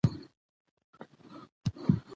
چې د درخانۍ د برخليک